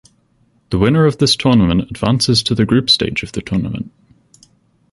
The winner of this tournament advances to the group stage of the tournament.